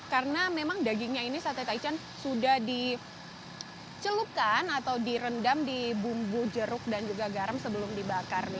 karena memang dagingnya ini sate taichan sudah dicelupkan atau direndam di bumbu jeruk dan juga garam sebelum dibakar